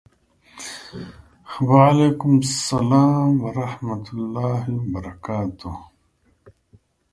وعلیکم سلام ورحمة الله وبرکاته